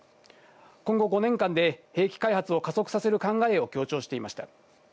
今後５年間で兵器開発を加速させる考えを強調していました。